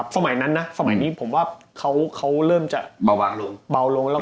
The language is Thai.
สมัยนี้เขาเริ่มจะเบาลง